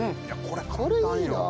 これいいな。